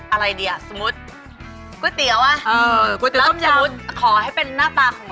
เอ่ออะไรดิอ่ะสมมุติก๋วยเตี๋ยว่ะเออก๋วยเตี๋ยวหังยาวถ้าขอให้เป็นน่าตาของ